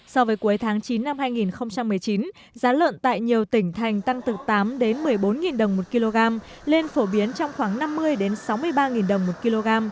so với cuối tháng chín năm hai nghìn một mươi chín giá lợn tại nhiều tỉnh thành tăng từ tám một mươi bốn đồng một kg lên phổ biến trong khoảng năm mươi sáu mươi ba đồng một kg